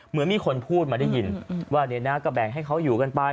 เหมือนมีคนพูดมาได้ยินว่าเนี่ยนะก็แบ่งให้เขาอยู่กันไป